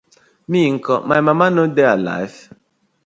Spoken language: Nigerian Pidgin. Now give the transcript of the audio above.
Mi nko, my mama no dey alife?